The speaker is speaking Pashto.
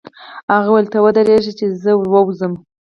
هغه وویل: ته ودرېږه چې زه ور ووځم.